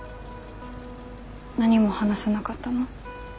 何も話さなかったの？